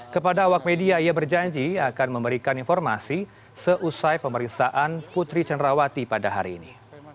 kepada awak media ia berjanji akan memberikan informasi seusai pemeriksaan putri cenrawati pada hari ini